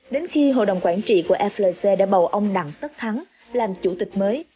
đến khi hội đồng quản trị của flc đã bầu ông đặng tất thắng làm chủ tịch mới